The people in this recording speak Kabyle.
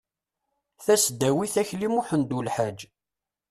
tasdawit akli muḥend ulḥaǧ